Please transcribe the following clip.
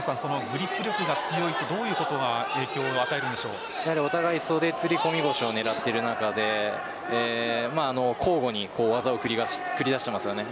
グリップ力が強いとどういうことにお互い袖釣込腰を狙っている中で交互に技を繰り出していますよね。